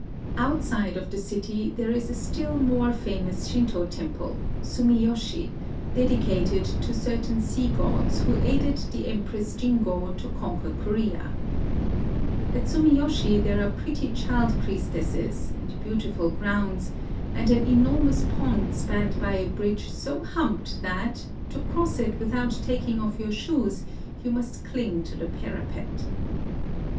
Outside of the city there is a still more famous Shinto temple, Sumiyoshi, dedicated to certain sea gods who aided the Empress Jingo to conquer Korea. At Sumiyoshi there are pretty child priestesses, and beautiful grounds, and an enormous pond spanned by a bridge so humped that, to cross it without taking off your shoes, you must cling to the parapet.